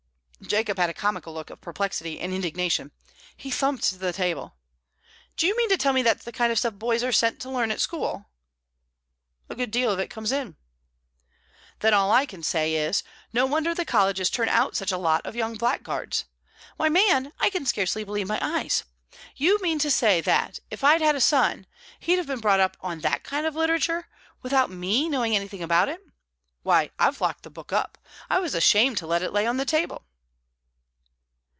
Jacob had a comical look of perplexity and indignation. He thumped the table. "Do you mean to tell me that's the kind of stuff boys are set to learn at school?" "A good deal of it comes in." "Then all I can say is, no wonder the colleges turn out such a lot of young blackguards. Why, man, I could scarcely believe my eyes! You mean to say that, if I'd had a son, he'd have been brought up on that kind of literature, and without me knowing anything about it? Why, I've locked the book up; I was ashamed to let it lay on the table."